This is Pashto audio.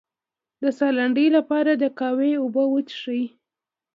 د ساه لنډۍ لپاره د قهوې اوبه وڅښئ